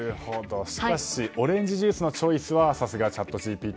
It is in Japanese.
しかしオレンジジュースのチョイスはさすがチャットＧＰＴ。